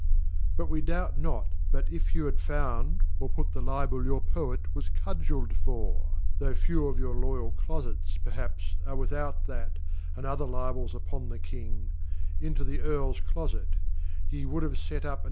But we doubt not but if you had found or put the Libel your Poet was Cudgeltd for ( though few of your Loyal Clofet s, J>er haps y are without that, and other Libels upon the King) into the Earls Clofet{ ye would 'have fet up an.